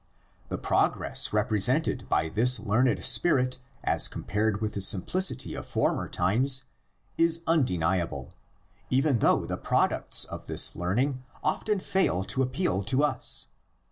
The progress represented by this learned spirit as compared with the simplicity of former times is undeniable, even though the prod ucts of this learning often fail to appeal to us.